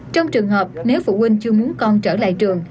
trong trường hợp nếu phụ huynh chưa muốn con trở lại trường